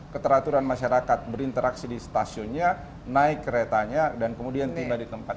keteraturan masyarakat berinteraksi di stasiunnya naik keretanya dan kemudian tiba di tempat